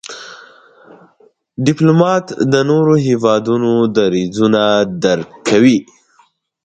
ډيپلومات د نورو هېوادونو دریځونه درک کوي.